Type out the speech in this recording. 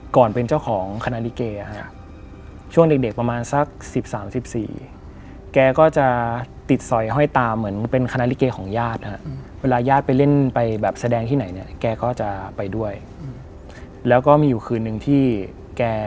ก็เลยตัดสินใจซื้อ